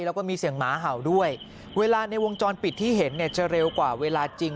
แล้วก็มีเสียงหมาเห่าด้วยเวลาในวงจรปิดที่เห็นเนี่ยจะเร็วกว่าเวลาจริง